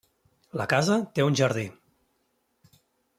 La casa té un jardí.